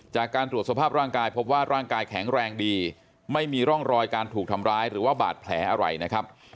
จากการตรวจสภาพร่างกายพบว่าร่างกายแข็งแรงดีไม่มีร่องรอยการถูกทำร้ายหรือว่าบาดแผลอะไรนะครับ